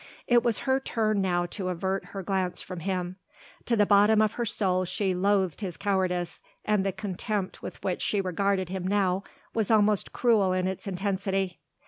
It was her turn now to avert her glance from him; to the bottom of her soul she loathed his cowardice, and the contempt with which she regarded him now was almost cruel in its intensity.